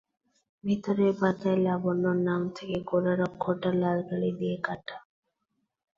ভিতরের পাতায় লাবণ্যর নাম থেকে গোড়ার অক্ষরটা লাল কালি দিয়ে কাটা।